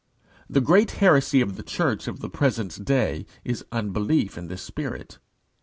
The great heresy of the Church of the present day is unbelief in this Spirit.